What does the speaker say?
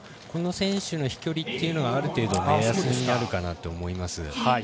この選手の飛距離というのがある程度目安になるかなと思います。